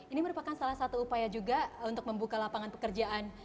ini merupakan salah satu upaya juga untuk membuka lapangan pekerjaan